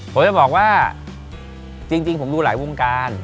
ผมจะบอกว่าจริงผมดูหลายวงการ